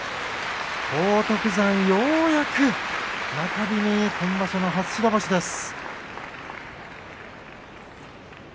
荒篤山、ようやく中日に今場所の初白星です。